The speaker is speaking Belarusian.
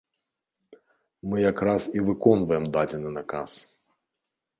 Мы як раз і выконваем дадзены наказ.